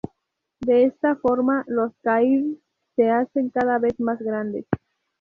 De esta forma, los "cairns" se hacen cada vez más grandes.